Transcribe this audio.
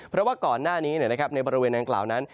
เพราะว่าก่อนหน้านี้ในบริเวณดังกล่าวนั้น